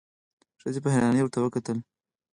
ښځې په حيرانی ورته وکتل.